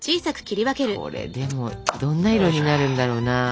これでもどんな色になるんだろうな。